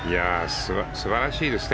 素晴らしいですね。